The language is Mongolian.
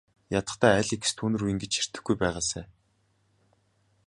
Ядахдаа Алекс түүнрүү ингэж ширтэхгүй байгаасай.